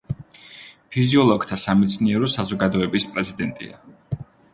ფიზიოლოგთა სამეცნიერო საზოგადოების პრეზიდენტია.